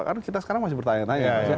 karena kita sekarang masih bertanya tanya